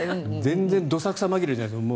全然どさくさに紛れてじゃないですよ。